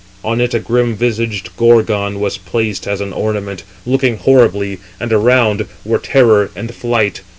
On it a grim visaged Gorgon was placed as an ornament, looking horribly, and around [were] Terror and Flight.